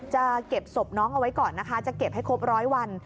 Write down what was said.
จะเก็บศพน้องเอาไว้ก่อนนะคะจะเก็บให้ครบร้อยวัน